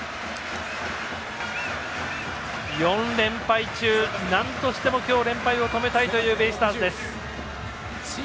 ４連敗中、なんとしても今日、連敗を止めたいというベイスターズです。